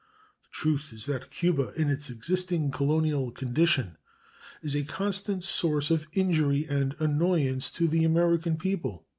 The truth is that Cuba, in its existing colonial condition, is a constant source of injury and annoyance to the American people.